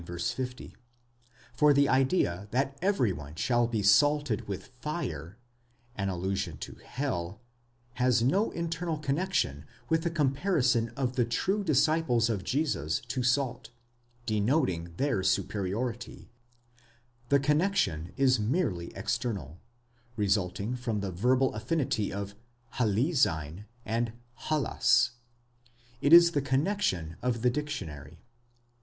50): for the idea that every one shall be salted with fire (in allusion to hell), has no in ternal connexion with the comparison of the true disciples of Jesus to salt, denoting their superiority: the connexion is merely external, resulting from the verbal affinity of ἁλίζειν and dAas,—it is the connexion of the dictionary.!